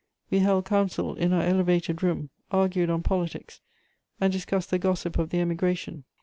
We held counsel in our elevated room, argued on politics, and discussed the gossip of the Emigration.